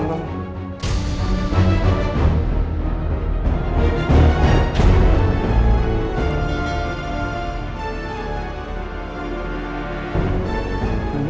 nanti aku kesana pagi ini ya